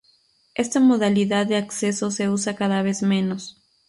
Esta modalidad de acceso se usa cada vez menos.